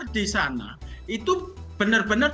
di sana itu benar benar